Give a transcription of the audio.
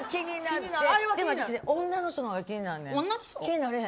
女の人が気になれへん？